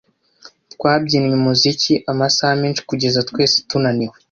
Twabyinnye umuziki amasaha menshi kugeza twese tunaniwe.